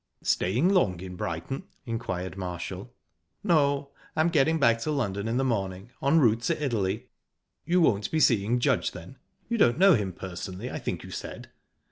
"Staying long in Brighton?" inquired Marshall. "No, I'm getting back to London in the morning, en route to Italy." "You won't be seeing Judge, then? You don't know him personally, I think you said."